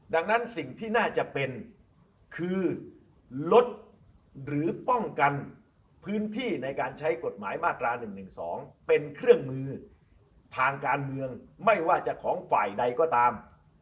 ดังนั้นสิ่งที่น่าจะเป็นคือลดหรือป้องกันพื้นที่ในการใช้กฎหมายมาตรา๑๑๒เป็นเครื่องมือทางการเมืองไม่ว่าจะของฝ่ายใดก็ตาม